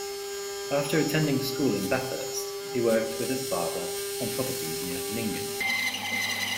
After attending school in Bathurst, he worked with his father on properties near Nyngan.